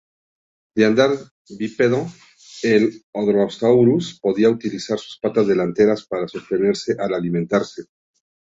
De andar bípedo, el "Hadrosaurus" podía utilizar sus patas delanteras para sostenerse al alimentarse.